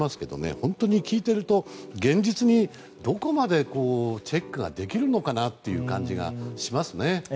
本当に聞いていると現実にどこまでチェックができるのかなという感じがしますよね。